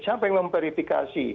siapa yang memverifikasi